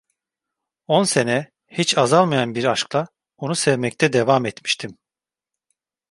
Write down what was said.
On sene, hiç azalmayan bir aşkla, onu sevmekte devam etmiştim.